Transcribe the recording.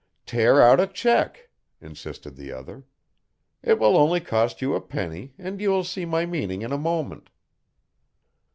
"Tear out a cheque," insisted the other, "it will only cost you a penny, and you will see my meaning in a moment."